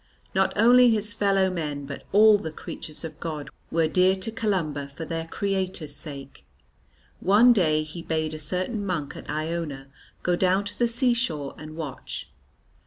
Not only his fellow men but all the creatures of God were dear to Columba for their Creator's sake. One day he bade a certain monk at Iona go down to the seashore and watch.